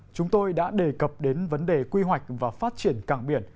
chúng tôi đã đề cập đến vấn đề quy hoạch và phát triển cảng biển